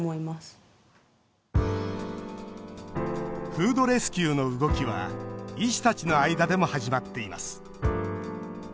フードレスキューの動きは医師たちの間でも始まっています。